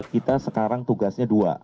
kita sekarang tugasnya dua